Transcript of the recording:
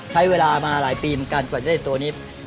ใช้เวลามาหลายปีเหมือนกันกว่าจะได้ตัวนี้